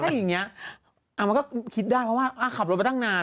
แต่ไม่ใช่อย่างนี้มันก็คิดได้เพราะว่าขับรถไปตั้งนาน